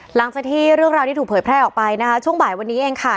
หลังจากที่เรื่องราวที่ถูกเผยแพร่ออกไปนะคะช่วงบ่ายวันนี้เองค่ะ